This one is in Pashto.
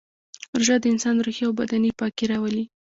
روژه د انسان روحي او بدني پاکي راولي